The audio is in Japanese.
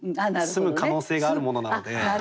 澄む可能性があるものなので。